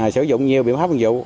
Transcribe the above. sử dụng nhiều biện pháp vận dụng